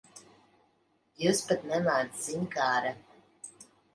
Jūs pat nemāc ziņkāre.